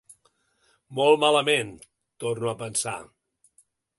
“Molt malament!”, torno a pensar.